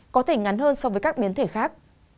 có thể ngắn hơn so với các biến thể khác